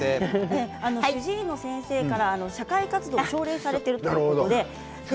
主治医の先生から社会活動を奨励されているということです。